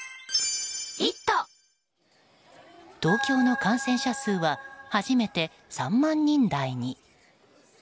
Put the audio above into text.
東京の感染者数は初めて３万人台に。